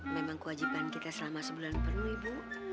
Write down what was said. memang kewajiban kita selama sebulan penuh ibu